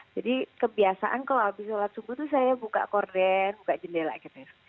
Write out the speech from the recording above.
jadi kebiasaan kalau abis sholat subuh itu saya buka korden buka jendela gitu